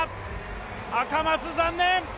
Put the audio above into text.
赤松、残念。